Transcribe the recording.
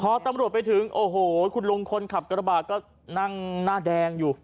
พอตำรวจไปถึงโอ้โหคุณลุงคนขับกระบาดก็นั่งหน้าแดงอยู่